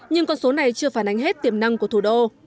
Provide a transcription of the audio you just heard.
nhưng con số này chưa phản ánh hết tiềm năng của thủ đô